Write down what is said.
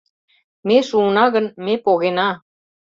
Ме шуына гын, ме погена.